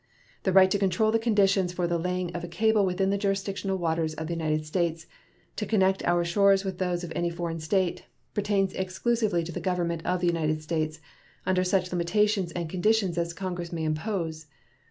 The right to control the conditions for the laying of a cable within the jurisdictional waters of the United States, to connect our shores with those of any foreign state, pertains exclusively to the Government of the United States, under such limitations and conditions as Congress may impose.